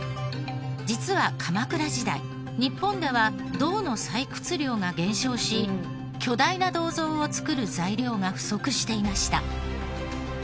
実は鎌倉時代日本では銅の採掘量が減少し巨大な銅像を造る材料が不足していました。